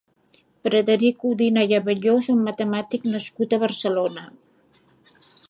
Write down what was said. Frederic Udina i Abelló és un matemàtic nascut a Barcelona.